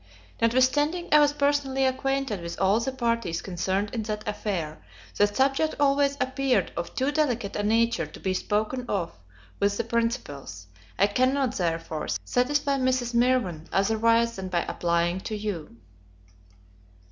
Notwithstanding I was personally acquainted with all the parties concerned in that affair, the subject always appeared of too delicate a nature to be spoken of with the principals; I cannot, therefore, satisfy Mrs. Mirvan otherwise than by applying to you.